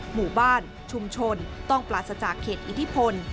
หมู่บ้านชุมชนต้องปราศจากเขตอิทธิพล